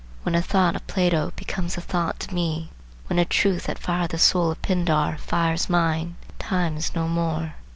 When a thought of Plato becomes a thought to me,—when a truth that fired the soul of Pindar fires mine, time is no more.